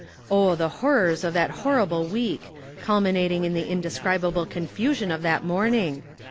Oh, the horrors of that horrible week, culminating in the indescribable confusion of that morning.